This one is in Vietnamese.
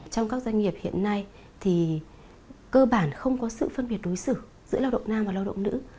trong các doanh nghiệp hiện nay thì cơ bản không có sự phân biệt đối xử giữa lao động nam và lao động nữ